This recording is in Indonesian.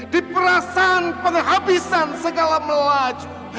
di perasaan penghabisan segala melaju